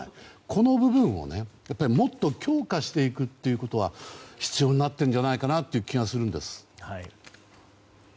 この部分をもっと強化していくということは必要になってるんじゃないかという気がするんです。